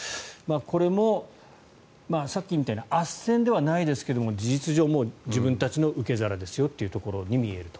これも、さっきみたいなあっせんではないですけど事実上、自分たちの受け皿ですよというところに見えると。